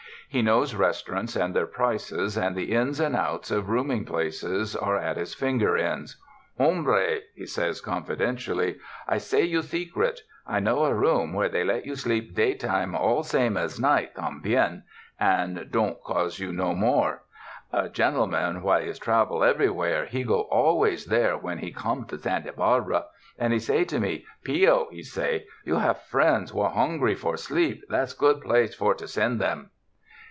He knows restaurants and their prices, and the ins and outs of rooming places are at his finger ends. "Homhre/' he says confidentially, "I say you secret. I know a room, where they let you sleep day time all same as night, tambien— and don't cos' you no more. A gentle man what is travel everywhere, he go always there when he come to Santa Barbara ; and he say to me, 'Pio,' he say, 'you have friends what hongry for sleep, that's good place for to send them.'